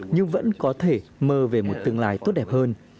nhưng vẫn có thể mơ về một tương lai tốt đẹp hơn